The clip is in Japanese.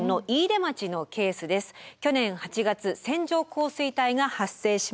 去年８月線状降水帯が発生しました。